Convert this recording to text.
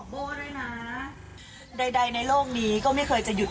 โบ้ด้วยนะใดในโลกนี้ก็ไม่เคยจะหยุด